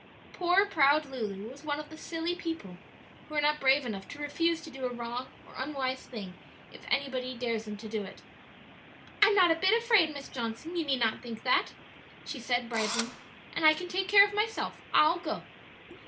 Poor proud Lulu was one of the silly people who are not brave enough to refuse to do a wrong or unwise thing if anybody dares them to do it. "I'm not a bit afraid, Miss Johnson; you need not think that," she said, bridling; "and I can take care of myself. I'll go."